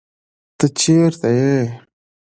ته چېرته يې